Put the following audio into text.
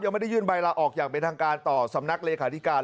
ไม่ได้ยื่นใบลาออกอย่างเป็นทางการต่อสำนักเลขาธิการ